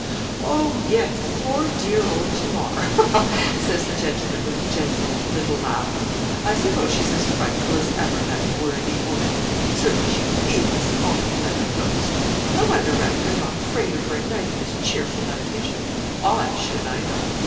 'Oh! yes, poor dear old Tamar; ha, ha!' says the gentleman, with a gentle little laugh, 'I suppose she's as frightful as ever, that worthy woman. Certainly she is awfully like a ghost. I wonder, Radie, you're not afraid of her at night in this cheerful habitation. I should, I know.'